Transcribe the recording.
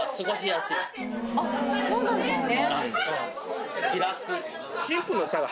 そうなんですね。